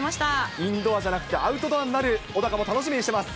インドアじゃなくて、アウトドアになる小高も楽しみにしています。